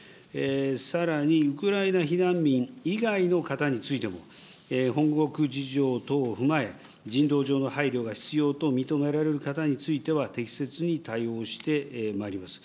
さらにウクライナ避難民以外の方についても、本国事情等を踏まえ、人道上の配慮が必要と認められる方については、適切に対応してまいります。